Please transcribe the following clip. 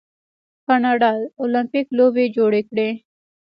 کاناډا المپیک لوبې جوړې کړي.